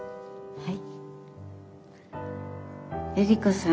はい。